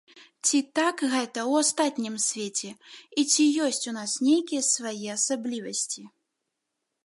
Ці так гэта ў астатнім свеце, і ці ёсць у нас нейкія свае асаблівасці?